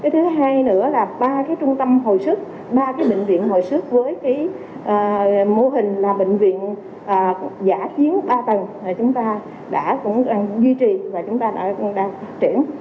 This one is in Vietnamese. thứ hai nữa là ba trung tâm hồi sức ba bệnh viện hồi sức với mô hình là bệnh viện giải chiến ba tầng chúng ta đã duy trì và chúng ta đang truyển